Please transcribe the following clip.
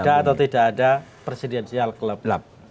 ada atau tidak ada presidensial klub gelap